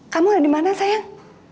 kamu ada dimana sayang